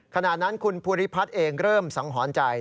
ขณะนั้นคุณภูริพัฒน์เองเริ่มสังหรณ์ใจ